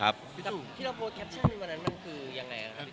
พี่ตัวที่เราโพสต์แคปเชิ้ลในวันนั้นมันคือยังไงครับ